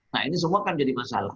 nah ini semua kan jadi masalah